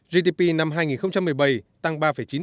gdp năm hai nghìn một mươi bảy tăng ba chín